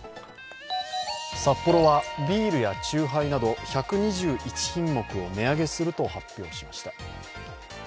サッポロは、ビールやチューハイなど１２１品目を値上げすると発表しました。